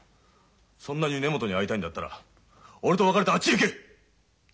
そんなに根本に会いたいんだったら俺と別れてあっちへ行け！